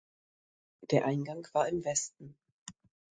Der Eingang war im Westen.